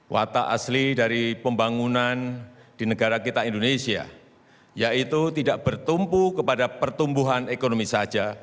watak asli dari pembangunan di negara kita indonesia yaitu tidak bertumpu kepada pertumbuhan ekonomi saja